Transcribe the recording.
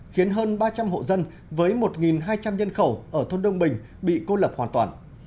khiến hơn ba trăm linh hộ dân với một hai trăm linh nhân khẩu ở thôn đông bình bị cô lập hoàn toàn